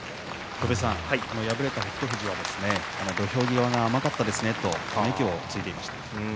敗れた北勝富士は土俵際が甘かったですねと息をついていました。